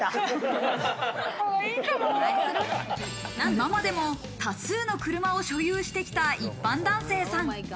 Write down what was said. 今までも多数の車を所有してきた一般男性さん。